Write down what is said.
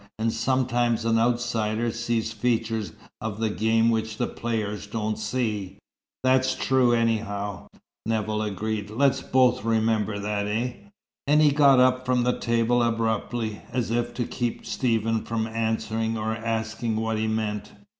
And sometimes an outsider sees features of the game which the players don't see." "That's true, anyhow," Nevill agreed. "Let's both remember that eh?" and he got up from the table abruptly, as if to keep Stephen from answering, or asking what he meant.